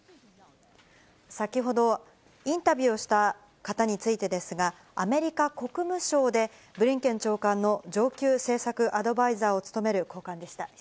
先ほど、インタビューをした方についてですが、アメリカ国務省で、ブリンケン長官の上級政策アドバイザーを務める高官でした。